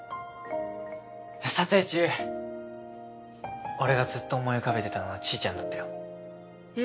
撮影中俺がずっと思い浮かべてたのはちーちゃんだったよ。え？